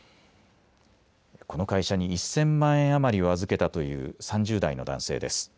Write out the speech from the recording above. この会社に１０００万円余りを預けたという３０代の男性です。